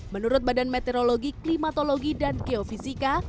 menurut badan meteorologi klimatologi dan geofisika